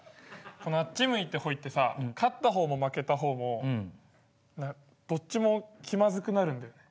このあっち向いてホイってさ勝った方も負けた方もどっちも気まずくなるんだよね。